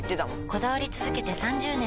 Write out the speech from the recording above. こだわり続けて３０年！